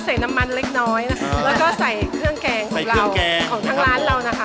ใส่น้ำมันเล็กน้อยและใส่เครื่องแกงของทางร้านเรานะคะ